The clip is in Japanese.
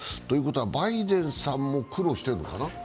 バイデンさんも苦労してるのかな？